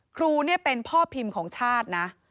ครูเป็นพ่อพิมพ์ของชาตินะ